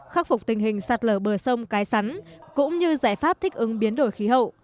khắc phục tình hình sạt lở bờ sông cái sắn cũng như giải pháp thích ứng biến đổi khí hậu